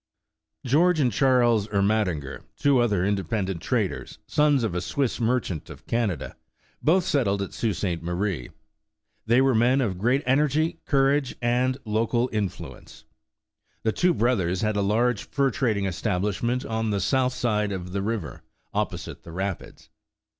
George and Charles Ermatinger, two other inde pendent traders, sons of a Swiss merchant of Canada, both settled at Sault Sainte Marie. They were men of great energy, courage and local influence. The two 99 The Original John Jacob Astor brothers had a large fur trading establishment on the south side of the river, opposite the rapids.